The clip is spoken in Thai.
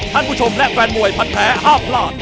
ท่านผู้ชมและแฟนมวยพัดแพ้ห้ามพลาด